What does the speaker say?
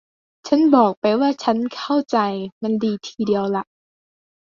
ฉันบอกไปว่าฉันเข้าใจมันดีทีเดียวล่ะ